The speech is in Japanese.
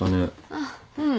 あっうん。